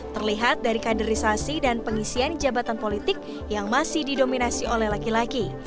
terlihat dari kaderisasi dan pengisian jabatan politik yang masih didominasi oleh laki laki